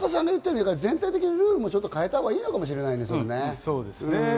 全体的なルールも変えたほうがいいのかもしれないね。